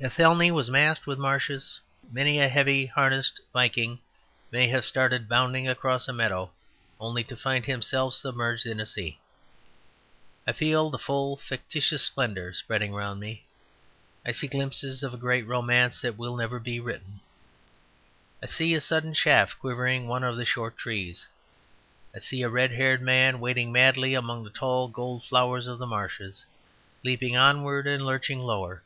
Athelney was masked with marshes; many a heavy harnessed Viking may have started bounding across a meadow only to find himself submerged in a sea. I feel the full fictitious splendour spreading round me; I see glimpses of a great romance that will never be written. I see a sudden shaft quivering in one of the short trees. I see a red haired man wading madly among the tall gold flowers of the marsh, leaping onward and lurching lower.